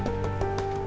setia pak bos